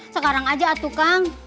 sekarang saja atu kang